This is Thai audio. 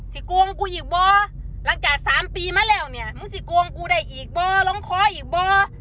สิกลงกูอีกบ่หลังจากสามปีมาแล้วเนี้ยมึงสิกลงกูได้อีกบ่ร้องคออีกบ่